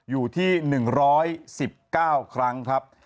อยู่ที่๑๑๙ครั้งครับ